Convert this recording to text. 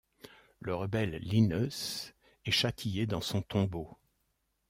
Le rebelle Linnœus est châtié dans son tombeau.